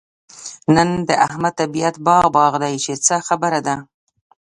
نن د احمد طبيعت باغ باغ دی؛ چې څه خبره ده؟